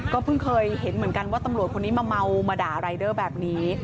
เพิ่งเคยเห็นเหมือนกันว่าตำรวจคนนี้มาเมามาด่ารายเดอร์แบบนี้